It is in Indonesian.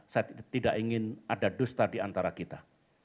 saya tidak ingin ada dusta di antara kita